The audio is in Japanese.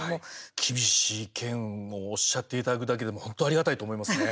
厳しい意見をおっしゃっていただくだけでも本当ありがたいと思いますね。